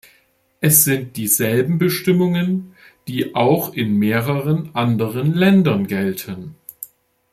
Es sind dieselben Bestimmungen, die auch in mehreren anderen Ländern gelten.